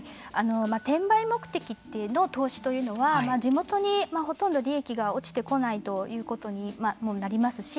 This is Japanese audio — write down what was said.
転売目的の投資というのは地元にほとんど利益が落ちてこないということにもなりますし